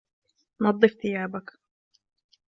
نَظِّفْ ثِيابَكَ.